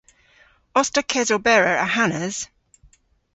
Os ta kesoberer ahanas?